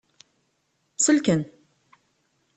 Selken.